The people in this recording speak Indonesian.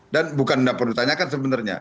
dan bukan tidak perlu ditanyakan sebenarnya